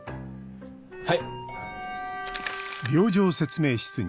はい！